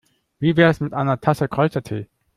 Wie wär's mit einer Tasse Kräutertee?